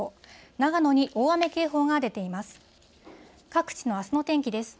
長野に大雨警報が出ています。